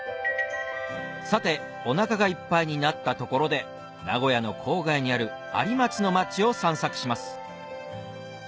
さてお腹がいっぱいになったところで名古屋の郊外にある有松の町を散策します